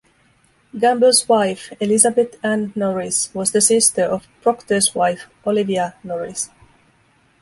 Gamble's wife Elizabeth Ann Norris was the sister of Procter's wife Olivia Norris.